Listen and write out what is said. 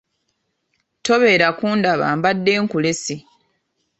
Tobeera kundaba mbadde nkulesse.